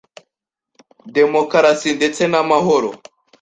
demokarasi ndetse n’amahoro.